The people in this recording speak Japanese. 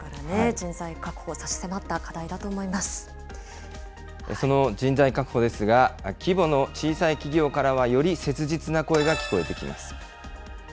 人材確保、差し迫った課題だと思その人材確保ですが、規模の小さい企業からはより切実な声が聞こえてきます。